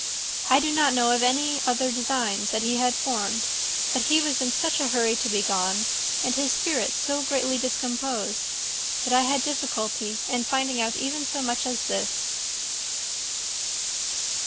I do not know of any other designs that he had formed; but he was in such a hurry to be gone, and his spirits so greatly discomposed, that I had difficulty in finding out even so much as this."